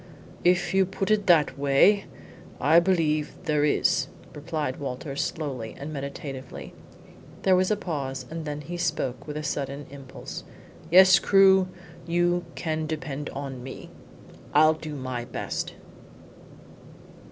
"If you put it that way, I believe there is," replied Walters slowly and meditatively. There was a pause, and then he spoke with a sudden impulse. "Yes, Crewe; you can depend on me. I'll do my best."